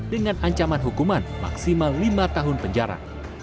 dengan ancaman hukuman maksimal lima tahun penjara